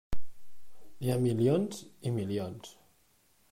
N'hi ha milions i milions.